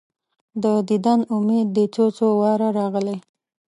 د دیدن امید دي څو، څو واره راغلی